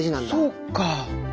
そっか。